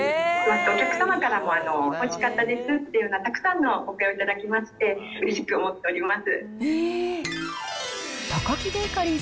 お客様からもおいしかったですっていうようなたくさんの反響をいただきまして、うれしく思っております。